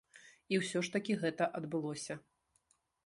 І ўсё ж такі гэта адбылося.